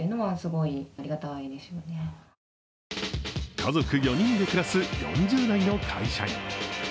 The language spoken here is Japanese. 家族４人で暮らす４０代の会社員。